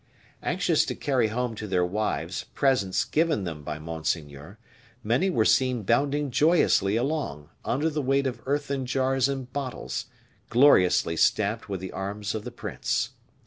Anxious to carry home to their wives presents given them by monseigneur, many were seen bounding joyously along, under the weight of earthen jars and bottles, gloriously stamped with the arms of the prince.